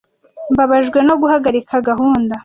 Mbabajwe no guhagarika gahunda